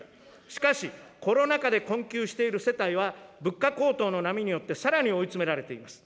しかしコロナ禍で困窮している世帯は、物価高騰の波によって、さらに追い詰められています。